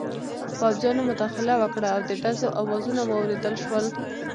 پوځیانو مداخله وکړه او د ډزو اوازونه واورېدل شول.